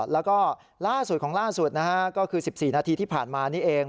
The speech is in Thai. แล้วก็ล่าสุดของล่าสุดนะฮะก็คือ๑๔นาทีที่ผ่านมานี่เอง